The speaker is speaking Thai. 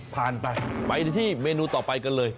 ผ่านไปไปที่เมนูต่อไปกันเลย